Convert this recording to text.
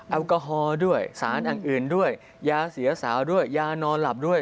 แอลกอฮอล์ด้วยสารอื่นด้วยยาเสียสาวด้วยยานอนหลับด้วย